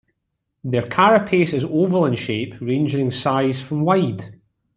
Their carapace is oval in shape, ranging in size from wide.